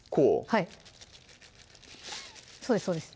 はいそうですそうです